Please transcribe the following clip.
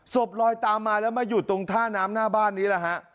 ศพลอยตามมาแล้วมาอยู่ตรงท่าน้ำหน้าบ้านนี้แหละฮะ